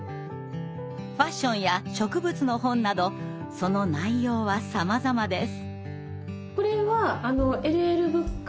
ファッションや植物の本などその内容はさまざまです。